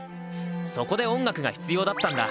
そこで音楽が必要だったんだ。